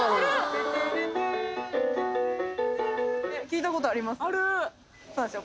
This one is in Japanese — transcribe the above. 聞いたことあります？